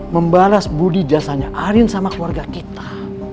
membalas budi jasanya arin sama keluarga kita